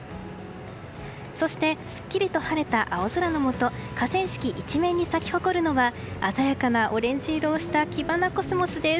そしてすっきりと晴れた青空のもと河川敷一面に咲き誇るのは鮮やかなオレンジ色をしたキバナコスモスです。